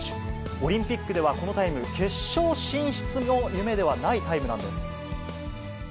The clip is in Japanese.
オリンピックではこのタイム、決勝進出も夢ではないタイムなんです。